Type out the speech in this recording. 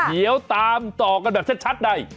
เดี๋ยวตามต่อกันแบบชัดใน